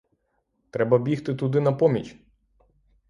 Треба бігти туди на поміч!